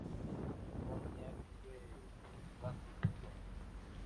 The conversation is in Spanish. Wozniak vive en Los Gatos, California.